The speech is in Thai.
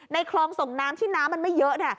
คลองส่งน้ำที่น้ำมันไม่เยอะ